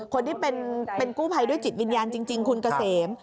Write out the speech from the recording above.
คนที่เป็นกู้ภัยด้วยจิตวิญญาณจริงคุณเกษม